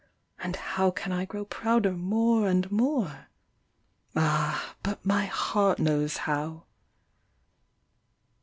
And how can I grow prouder more and more ? Ah 1 but my heart knows how."